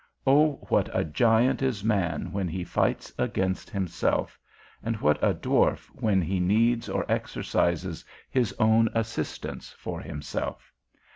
O what a giant is man when he fights against himself, and what a dwarf when he needs or exercises his own assistance for himself?